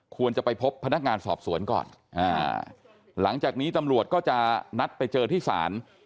ควรจะไปพบพนักงานสอบสวนก่อนหลังจากนี้ตำรวจก็จะนัดไปเจอที่ศาล